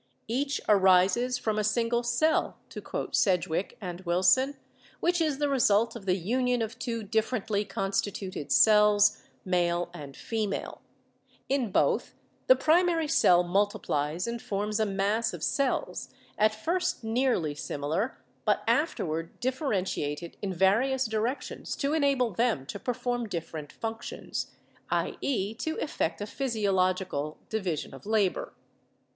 "Each arises from a single cell," to quote Sedgwick and Wilson, "which is the result of the union of two differently constituted cells, male and female. In both the primary cell multiplies and forms a mass of cells, at first nearly similar but afterward differentiated in various directions to enable them to perform different functions — i.e., to effect a physiological division of labor.